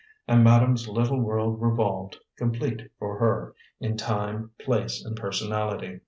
And madame's little world revolved, complete for her, in time, place, and personality.